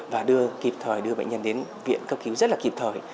và đưa kịp thời đưa bệnh nhân đến viện cấp cứu rất là kịp thời